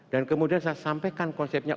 dan kemudian saya sampaikan konsepnya